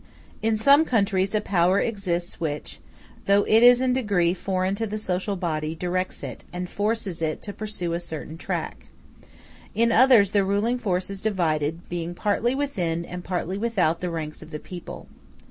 In some countries a power exists which, though it is in a degree foreign to the social body, directs it, and forces it to pursue a certain track. In others the ruling force is divided, being partly within and partly without the ranks of the people.